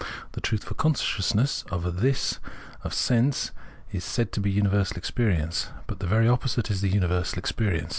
The truth for consciousness of a " This " of sense is said to be universal experience ; but the very opposite is universal experience.